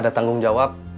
ada tanggung jawab